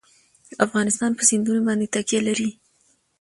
افغانستان په سیندونه باندې تکیه لري.